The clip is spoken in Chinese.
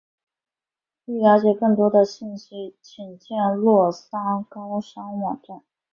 欲了解更多信息请见洛桑高商网站。